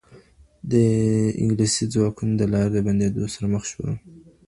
انګلیسي ځواکونه د لارې د بندیدو سره مخ شول.